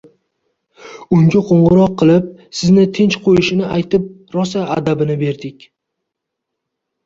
Unga qo'ng'iroq qilib sizni tinch qo'yishini aytib rosa adabini berdik